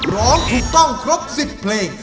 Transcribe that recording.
ร้องถูกต้องครบ๑๐เพลง